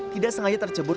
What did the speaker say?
tidak sengaja terjebur